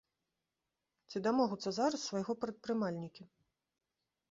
Ці дамогуцца зараз свайго прадпрымальнікі?